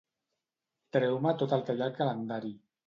Treu-me tot el que hi ha al calendari.